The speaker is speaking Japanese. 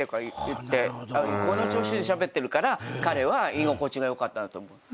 この調子でしゃべってるから彼は居心地良かったんだと思う。